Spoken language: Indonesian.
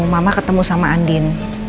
mama ketemu sama andin